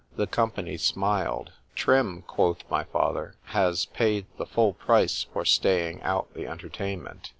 ——The company smiled. Trim, quoth my father, has paid the full price for staying out the _entertainment.